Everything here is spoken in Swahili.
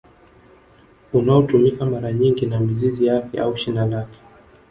Unaotumika mara nyingi na mizizi yake au shina lake